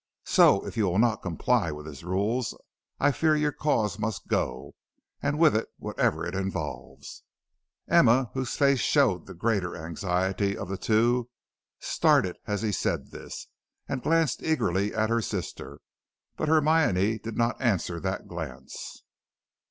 So if you will not comply with his rules, I fear your cause must go, and with it whatever it involves." Emma, whose face showed the greater anxiety of the two, started as he said this, and glanced eagerly at her sister. But Hermione did not answer that glance.